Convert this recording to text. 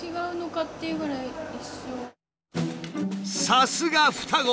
さすが双子！